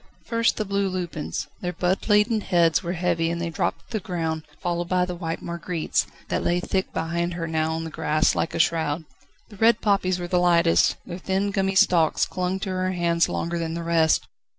First the blue lupins: their bud laden heads were heavy and they dropped to the ground, followed by the white marguerites, that lay thick behind her now on the grass like a shroud. The red poppies were the lightest, their thin gummy stalks clung to her hands longer than the rest.